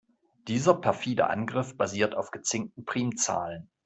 Dieser perfide Angriff basiert auf gezinkten Primzahlen.